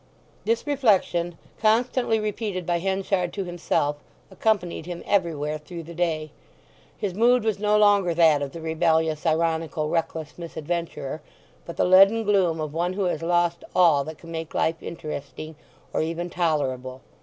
This reflection, constantly repeated by Henchard to himself, accompanied him everywhere through the day. His mood was no longer that of the rebellious, ironical, reckless misadventurer; but the leaden gloom of one who has lost all that can make life interesting, or even tolerable.